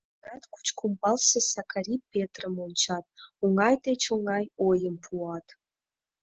Чыланат Кучкумбалсе Сакари Петрым ончат, оҥай деч оҥай ойым пуат: